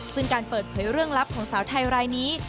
ซึ่งการเปิดเผยเรื่องลับของสาวไทยรายนี้